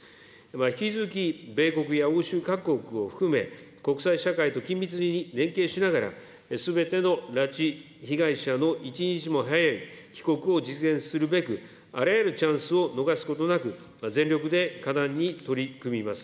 引き続き米国や欧州各国を含め、国際社会と緊密に連携しながら、すべての拉致被害者の一日も早い帰国を実現するべく、あらゆるチャンスを逃すことなく、全力で果断に取り組みます。